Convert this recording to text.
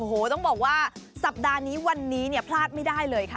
โอ้โหต้องบอกว่าสัปดาห์นี้วันนี้เนี่ยพลาดไม่ได้เลยค่ะ